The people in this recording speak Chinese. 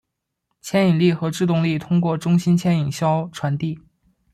牵引力和制动力通过中心牵引销传递。